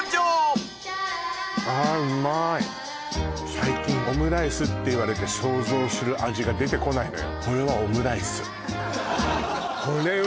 最近オムライスっていわれて想像する味が出てこないのよ